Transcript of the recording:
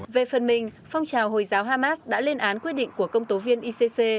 về phần mình phong trào hồi giáo hamas đã lên án quyết định của công tố viên icc